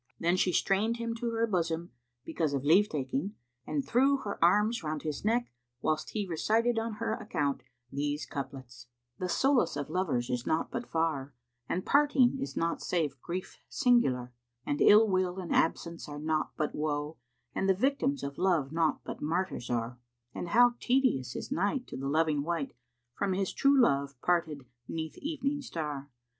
Then she strained him to her bosom, because of leave taking, and threw her arms round his neck whilst he recited on her account these couplets, "The solace of lovers is naught but far, * And parting is naught save grief singular: And ill will and absence are naught but woe, * And the victims of Love naught but martyrs are; And how tedious is night to the loving wight * From his true love parted 'neath evening star!